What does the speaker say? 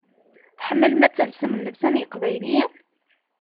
Tḥemmlem ad telsem llebsa n yeqbayliyen?